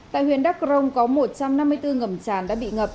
tại huyện đắk rông có một trăm năm mươi bốn ngầm tràn đã bị ngập